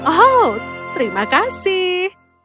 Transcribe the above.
oh terima kasih